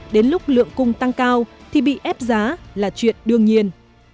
đến lúc lượng cung tăng cao thì bị ép giá là chuyện đương nhiên